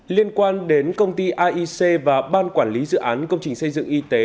liên quan đến công ty aic và ban quản lý dự án công trình xây dựng y tế